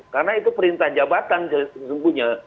karena itu perintah jabatan sebetulnya